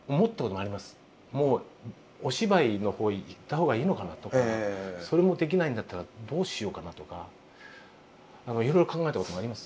「もうお芝居の方へ行った方がいいのかな」とか「それもできないんだったらどうしようかな」とかいろいろ考えたこともあります。